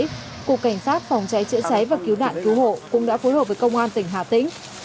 cục cảnh sát phòng cháy chữa cháy và cứu đạn cứu hộ cũng đã phối hợp với công an tỉnh hà tĩnh